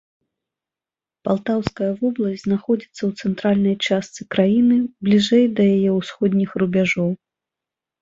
Палтаўская вобласць знаходзіцца ў цэнтральнай частцы краіны, бліжэй да яе ўсходніх рубяжоў.